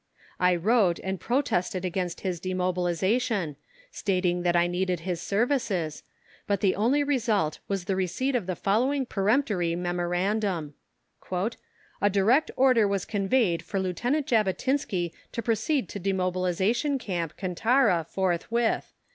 I wrote and protested against his demobilization, stating that I needed his services, but the only result was the receipt of the following peremptory memorandum: "A direct order was conveyed for Lieutenant Jabotinsky to proceed to Demobilization Camp, Kantara, forthwith.